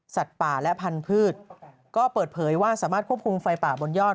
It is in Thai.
ป่าและพันธุ์ก็เปิดเผยว่าสามารถควบคุมไฟป่าบนยอด